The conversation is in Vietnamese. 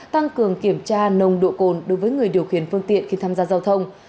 tăng cường kiểm tra nồng độ cồn đối với người điều khiển phương tiện khi tham gia giao thông